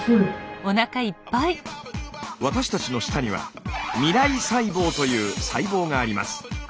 私たちの舌には味蕾細胞という細胞があります。